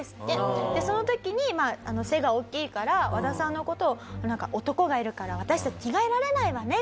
その時にまあ背が大きいから和田さんの事をなんか「男がいるから私たち着替えられないわね」